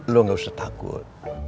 lo gak usah takut